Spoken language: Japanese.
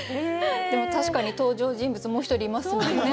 でも確かに登場人物もう一人いますもんね。